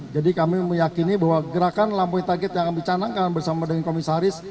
jadi kami meyakini bahwa gerakan lampu hitak hitak yang kami canangkan bersama dengan komisaris